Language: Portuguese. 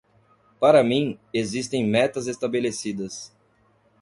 Para mim, existem metas estabelecidas.